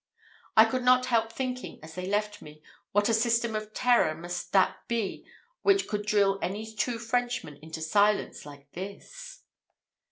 I could not help thinking, as they left me, what a system of terror must that be which could drill any two Frenchmen into silence like this!